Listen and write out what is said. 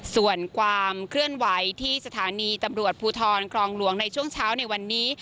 ส่วนความเคลื่อนไหวที่สถานีตำรวจภูทรครองหลวงในช่วงเช้าในวันนี้